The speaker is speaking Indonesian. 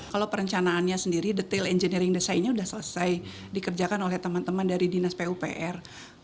kalau perencanaannya sendiri detail engineering design nya sudah selesai dikerjakan oleh teman teman dari dinas pupr